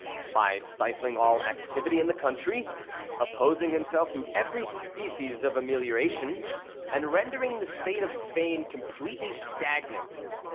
By stifling all activity in the country, opposing himself to every species of amelioration, and rendering the state of Spain completely stagnant.